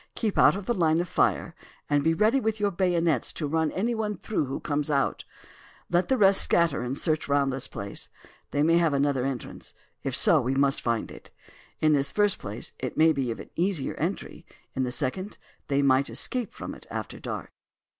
Keep out of the line of fire, and be ready with your bayonets to run anyone through who comes out. Let the rest scatter and search round this place. They may have another entrance. If so, we must find it. In the first place, it may be easier of entry; in the second, they might escape from it after dark."